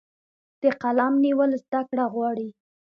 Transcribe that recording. د قلم نیول زده کړه غواړي.